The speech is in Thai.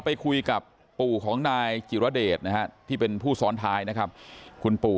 ไปคุยกับปู่ของนายจิรเดชนะฮะที่เป็นผู้ซ้อนท้ายนะครับคุณปู่